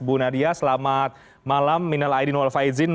bu nadia selamat malam minal aidin wal faizin